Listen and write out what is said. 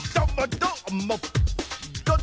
どーも！